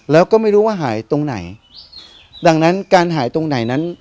แล้วก็ไม่รู้ว่าหายตรงไหนดังนั้นการหายตรงไหนนั้น